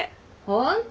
ホント？